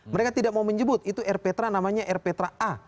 mereka tidak mau menyebut itu air petra namanya air petra a